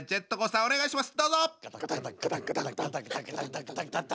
はいお願いします！